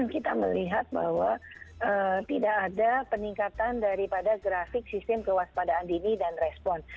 kita melihat bahwa tidak ada peningkatan daripada grafik sistem kewaspadaan dini dan respon